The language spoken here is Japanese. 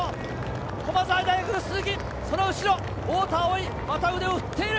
駒澤大学の鈴木、その後ろ太田蒼生、また腕を振っている。